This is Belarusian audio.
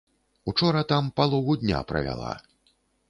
Учора там палову дня правяла.